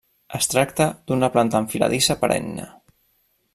Es tracta d'una planta enfiladissa perenne.